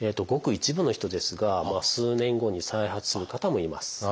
ごく一部の人ですが数年後に再発する方もいます。